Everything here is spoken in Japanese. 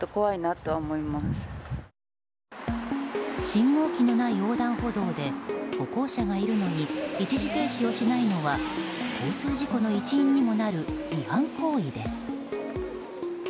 信号機のない横断歩道で歩行者がいるのに一時停止をしないのは交通事故の一因にもなる違反行為です。